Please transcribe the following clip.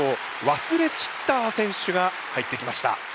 ワスレ・チッター選手が入ってきました。